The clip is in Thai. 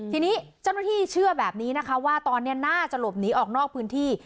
ทีนี้เจ้าหน้าที่เชื่อแบบนี้นะคะว่าตอนนี้น่าจะหลบหนีออกนอกพื้นที่